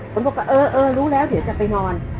คนบอกว่าเออรู้แล้วเดี๋ยวจะไปนอน